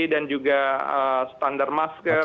dan juga standar masker